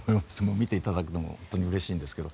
見ていただくのも本当にうれしいんですけど。